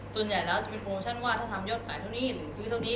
ส่วนใหญ่แล้วจะเป็นโปรชั่นว่าถ้าทำยอดขายเท่านี้หรือซื้อเท่านี้